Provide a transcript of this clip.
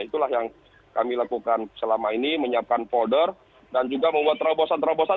itulah yang kami lakukan selama ini menyiapkan folder dan juga membuat terobosan terobosan